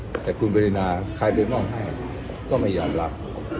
แต่ผู้บรินาศาสตร์ใครไปมอบให้ก็ไม่ยอมรับ